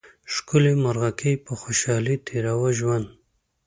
ښکلې مرغکۍ په خوشحالۍ تېراوه ژوند